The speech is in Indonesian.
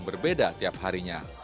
berbeda tiap harinya